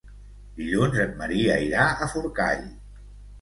Dilluns en Maria irà a Forcall.